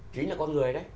chính là con người đấy